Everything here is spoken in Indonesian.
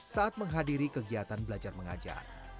saat menghadiri kegiatan belajar mengajar